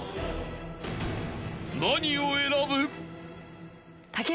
［何を選ぶ？］